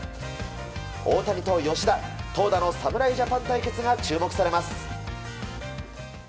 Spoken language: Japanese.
大谷と吉田投打の侍ジャパン対決が注目されます。